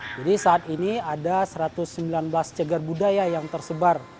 saat ini ada satu ratus sembilan belas cegar budaya yang tersebar